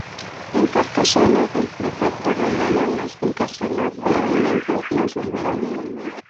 En Carcasona, el prefecto romano los encarceló, pero un ángel los liberó.